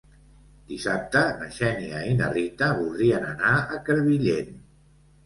Dissabte na Xènia i na Rita voldrien anar a Crevillent.